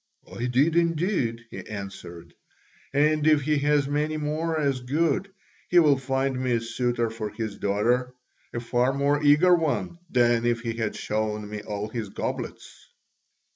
"I did indeed," he answered, "and if he has many more as good, he will find me a suitor for his daughter, a far more eager one than if he had shown me all his goblets."